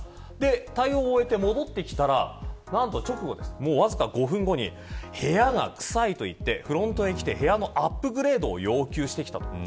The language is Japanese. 対応を終えて戻ってきたらわずか５分後に部屋が臭いと言ってフロントへ来て部屋のアップグレードを要求してきた。